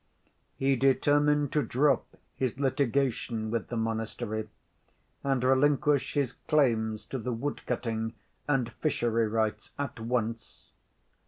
He determined to drop his litigation with the monastery, and relinquish his claims to the wood‐cutting and fishery rights at once.